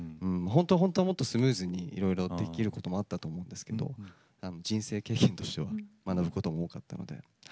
本当はもっとスムーズにいろいろできることもあったと思うんですけど人生経験としては学ぶことも多かったので。